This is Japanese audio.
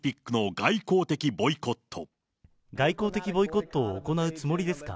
外交的ボイコットを行うつもりですか？